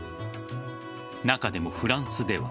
中でも、フランスでは。